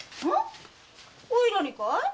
おいらにかい？